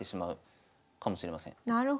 なるほど。